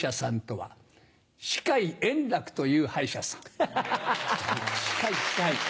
はい。